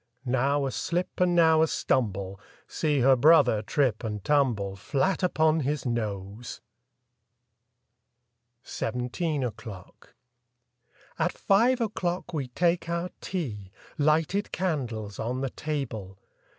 Now a slip and now a stumble— See her brother trip and tumble Elat upon his nose! 41 SIXTEEN O'CLOCK 43 SEVENTEEN O'CLOCK 4T five o'clock we take our tea; xX Lighted candles on the table.